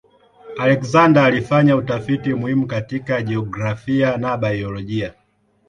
Alexander alifanya utafiti muhimu katika jiografia na biolojia.